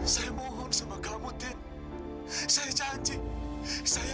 sampai jumpa di video selanjutnya